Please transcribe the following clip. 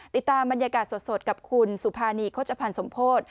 ติดตามบรรยากาศสดกับคุณสุภานีโฆษภัณฑ์สมโพธิ